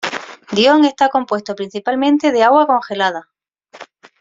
Dione está compuesto principalmente de agua congelada.